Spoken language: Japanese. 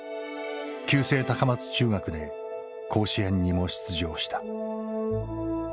旧制高松中学で甲子園にも出場した。